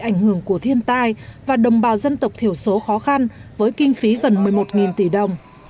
ảnh hưởng của thiên tai và đồng bào dân tộc thiểu số khó khăn với kinh phí gần một mươi một tỷ đồng